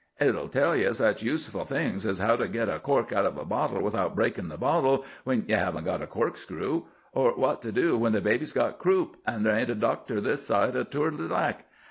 "It'll tell ye such useful things as how to get a cork out of a bottle without breakin' the bottle, when ye haven't got a corkscrew, or what to do when the baby's got croup, and there ain't a doctor this side of Tourdulac.